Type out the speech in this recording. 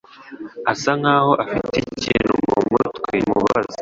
Asa nkaho afite ikintu mumutwe kimubabaza.